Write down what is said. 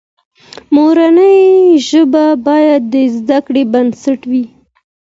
مورنۍ ژبه باید د زده کړې بنسټ وي.